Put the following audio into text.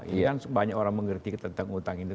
ini kan banyak orang mengerti tentang utang ini